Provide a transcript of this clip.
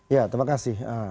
ya terima kasih